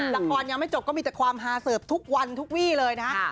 ยังไม่จบก็มีแต่ความฮาเสิร์ฟทุกวันทุกวี่เลยนะฮะ